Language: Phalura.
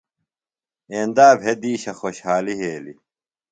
ایند بھےۡ دِیشے خوۡشحالیۡ یھیلیۡ۔